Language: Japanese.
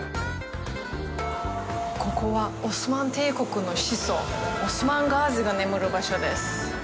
ここは、オスマン帝国の始祖、オスマン・ガズィが眠る場所です。